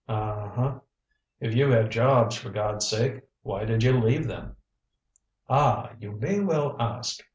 "Uh, huh. If you had jobs for God's sake why did you leave them?" "Ah, you may well ask."